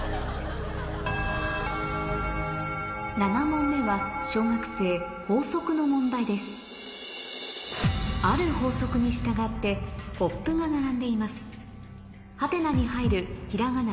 ７問目は小学生の問題ですある法則に従ってコップが並んでいます